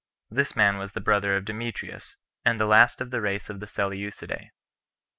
This man was the brother of Demetrius, and the last of the race of the Seleucidae.